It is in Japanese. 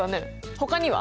ほかには？